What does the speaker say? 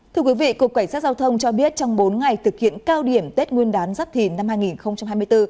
thưa quý vị cục cảnh sát giao thông cho biết trong bốn ngày thực hiện cao điểm tết nguyên đán giáp thìn năm hai nghìn hai mươi bốn